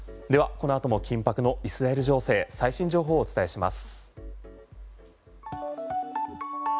この後も緊迫のイスラエル情勢最新情報をお伝えします。